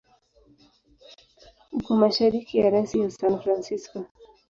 Uko mashariki ya rasi ya San Francisco.